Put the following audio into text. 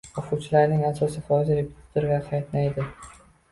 O‘quvchilarning asosiy foizi repetitorga qatnaydi.